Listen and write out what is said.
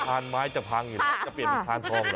ไม้จะพังอยู่แล้วจะเปลี่ยนเป็นพานทอง